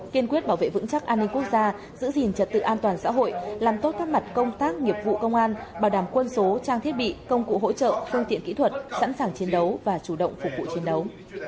kiên quyết bảo vệ vững chắc an ninh quốc gia giữ gìn trật tự an toàn xã hội làm tốt các mặt công tác nghiệp vụ công an bảo đảm quân số trang thiết bị công cụ hỗ trợ phương tiện kỹ thuật sẵn sàng chiến đấu và chủ động phục vụ chiến đấu